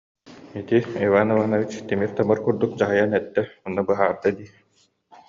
Ити Иван Иванович тимир-тамыр курдук дьаһайан эттэ уонна баһаарда дии